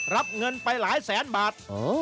รับเงินไปหลายแสนบาท